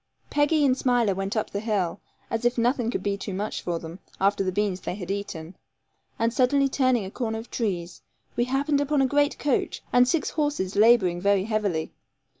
Peggy and Smiler went up the hill, as if nothing could be too much for them, after the beans they had eaten, and suddenly turning a corner of trees, we happened upon a great coach and six horses labouring very heavily.